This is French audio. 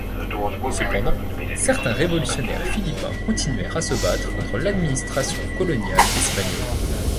Cependant certains révolutionnaires philippins continuèrent à se battre contre l'administration coloniale espagnole.